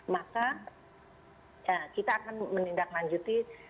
maka kita akan menindaklanjuti